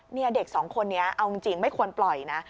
เนี่ยเด็กสองคนนี้เอาจริงไม่ควรปล่อยนะ